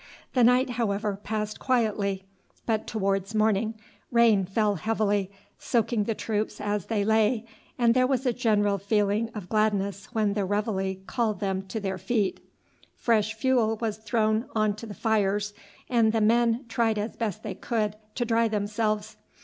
The night, however, passed quietly, but towards morning rain fell heavily, soaking the troops as they lay, and there was a general feeling of gladness when the reveille called them to their feet. Fresh fuel was thrown on to the fires, and the men tried as best they could to dry themselves.